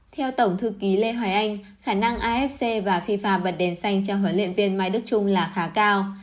theo tổng thư ký lê hoài anh khả năng afc và fifa bật đèn xanh cho huấn luyện viên mai đức trung là khá cao